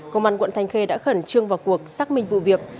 công an quận thanh khê đã khẩn trương vào cuộc xác minh vụ việc